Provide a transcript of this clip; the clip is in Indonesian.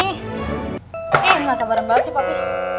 ih gak sabar banget sih papi